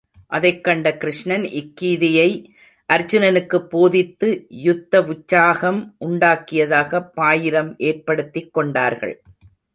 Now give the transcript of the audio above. அதைக் கண்ட கிருஷ்ணன் இக்கீதையை அர்ச்சுனனுக்குப் போதித்து யுத்தவுச்சாகம் உண்டாக்கியதாகப் பாயிரம் ஏற்படுத்திக் கொண்டார்கள்.